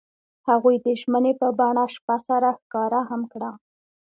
هغوی د ژمنې په بڼه شپه سره ښکاره هم کړه.